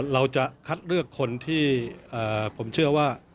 เราจะคัดเลือกคนที่ผมเชื่อว่า